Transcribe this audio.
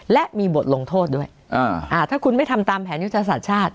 และมีบทลงโทษด้วยถ้าคุณไม่ทำตามแผนยุทธศาสตร์ชาติ